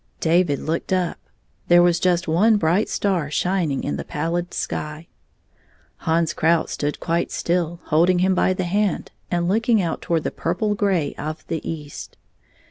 David looked up. There was just one bright star shining in the pallid sky. Hans Krout stood quite still, holding him by the hand, and looking out toward the purple gray of the east.